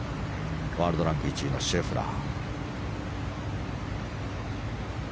ワールドランク１位のシェフラー。